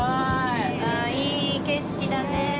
いい景色だね。